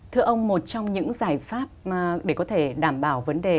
thưa ông một trong những giải pháp để có thể đảm bảo vấn đề